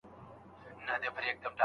تر هغه وروسته دا دعا وکړئ.